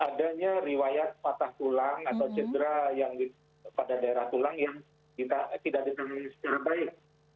adanya riwayat patah tulang atau cedera yang pada daerah tulang yang tidak ditemui secara baik